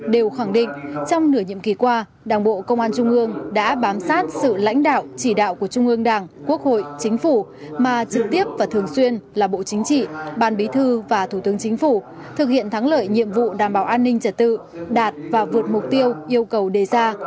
đều khẳng định trong nửa nhiệm kỳ qua đảng bộ công an trung ương đã bám sát sự lãnh đạo chỉ đạo của trung ương đảng quốc hội chính phủ mà trực tiếp và thường xuyên là bộ chính trị ban bí thư và thủ tướng chính phủ thực hiện thắng lợi nhiệm vụ đảm bảo an ninh trật tự đạt và vượt mục tiêu yêu cầu đề ra